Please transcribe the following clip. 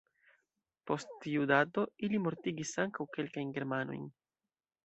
Post tiu dato, ili mortigis ankaŭ kelkajn germanojn.